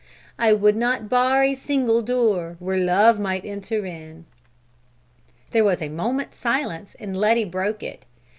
I would not bar a single door Where Love might enter in! There was a moment's silence and Letty broke it.